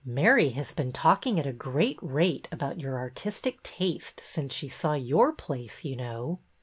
Mary has been talking at a great rate about your artis tic taste since she saw your place, you know."